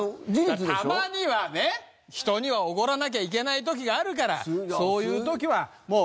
たまにはね人には奢らなきゃいけない時があるからそういう時はもう。